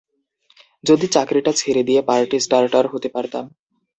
যদি চাকরিটা ছেড়ে দিয়ে পার্টি স্টার্টার হতে পারতাম।